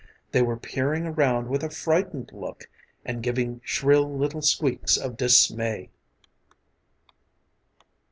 They were peering around with a frightened look and giving shrill little squeaks of dismay.